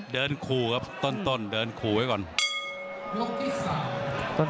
เดินคูครับต้นเดินคูไว้ก่อน